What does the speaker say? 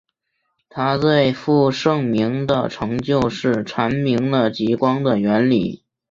他最负盛名的成就是阐明了极光的原理。